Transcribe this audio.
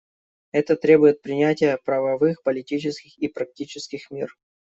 Это требует принятия правовых, политических и практических мер.